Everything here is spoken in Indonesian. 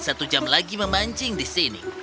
satu jam lagi memancing di sini